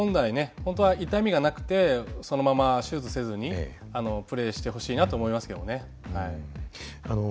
本当は痛みがなくてそのまま手術せずにプレーしてほしいなと思いますけどね。